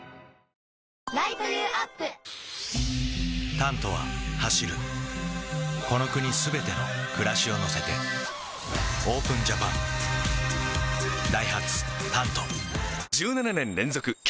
「タント」は走るこの国すべての暮らしを乗せてＯＰＥＮＪＡＰＡＮダイハツ「タント」１７年連続軽